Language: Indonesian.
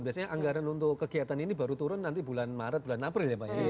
biasanya anggaran untuk kegiatan ini baru turun nanti bulan maret bulan april ya pak ya